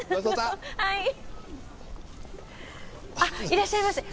あっいらっしゃいませ。